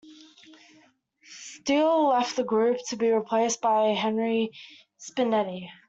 Steele left the group, to be replaced by Henry Spinetti.